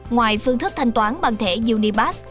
ngoài phương thức thanh toán bằng thẻ unibas